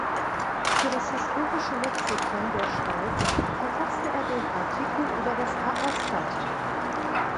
Für das Historische Lexikon der Schweiz verfasste er den Artikel über das Aostatal.